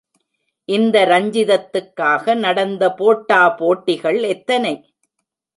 இந்த ரஞ்சிதத்துக்காக நடந்த போட்டாபோட்டிகள் எத்தனை?